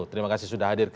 terima kasih sudah hadir